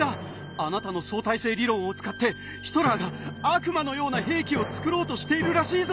あなたの相対性理論を使ってヒトラーが悪魔のような兵器を作ろうとしているらしいぞ！